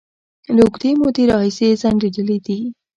له اوږدې مودې راهیسې ځنډيدلې دي